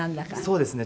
そうですね。